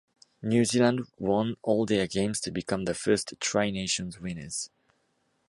New Zealand won all their games to become the first Tri-Nations winners.